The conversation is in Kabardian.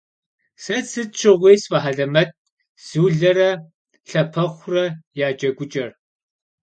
Se sıt şığui sf'ehelemett Zulere Lhapexure ya ceguç'er.